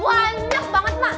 banyak banget emak